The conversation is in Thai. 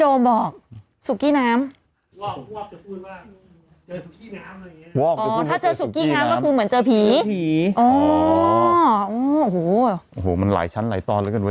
โอ้โหมันหลายชั้นหลายตอนแล้วกันเว้